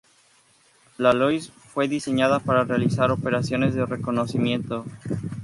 La Soyuz P fue diseñada para realizar operaciones de reconocimiento.